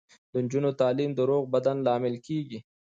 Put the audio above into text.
د نجونو تعلیم د روغ بدن لامل کیږي.